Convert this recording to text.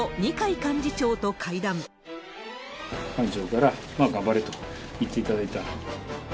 幹事長から、頑張れと言っていただいた。